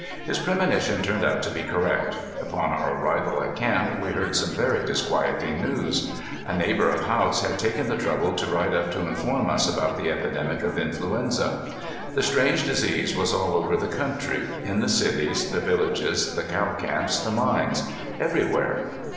His premonition turned out to be correct. Upon our arrival at camp we heard some very disquieting news. A neighbor of Haught's had taken the trouble to ride up to inform us about the epidemic of influenza. The strange disease was all over the country, in the cities, the villages, the cow camps, the mines everywhere.